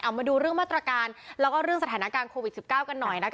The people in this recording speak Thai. เอามาดูเรื่องมาตรการแล้วก็เรื่องสถานการณ์โควิด๑๙กันหน่อยนะคะ